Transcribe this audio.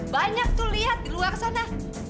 banyak tuh lihat di luar sana